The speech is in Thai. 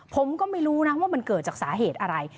ผมก็ไม่รู้นะว่ามันเกิดจากสาเหตุอะไร